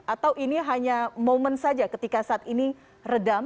atau ini hanya momen saja ketika saat ini redam